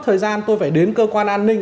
thời gian tôi phải đến cơ quan an ninh